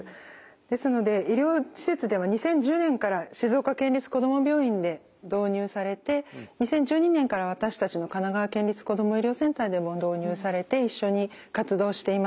ですので医療施設では２０１０年から静岡県立こども病院で導入されて２０１２年から私たちの神奈川県立こども医療センターでも導入されて一緒に活動しています。